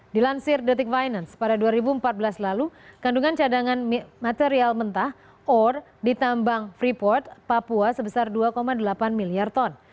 dilansir detik finance pada dua ribu empat belas lalu kandungan cadangan material mentah ore ditambang freeport papua sebesar dua delapan miliar ton